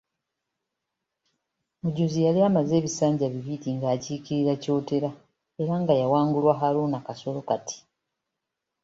Mujuzi yali amaze ebisanja bibiri ng'akiikirira Kyotera era nga yawangulwa Haruna Kasolo kati.